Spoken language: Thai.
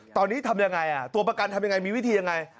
ตอนนี้ทำยังไงตัวประกันทำยังไงมีวิธียังไง